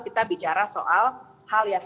kita bicara soal hal yang